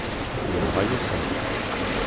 Yenɣa-yasen-t.